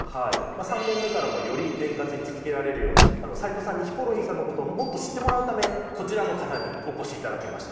３年目からもより円滑に続けられるように齊藤さんにヒコロヒーさんの事をもっと知ってもらうためこちらの方にお越し頂きました。